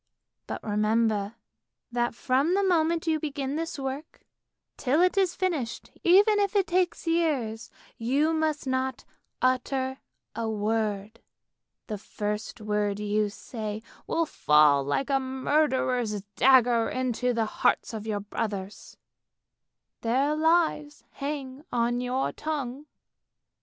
But remember that from the moment you begin this work, till it is finished, even if it takes years, you must not utter a word! The first word you say will fall like a murderer's dagger into the hearts of your brothers. Their lives hang on your tongue.